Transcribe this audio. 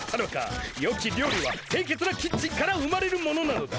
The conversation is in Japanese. よき料理はせいけつなキッチンから生まれるものなのだ。